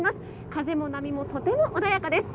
風も波も、とても穏やかです。